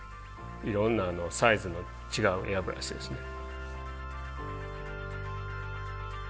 いろんなサイズの違うエアブラシですね。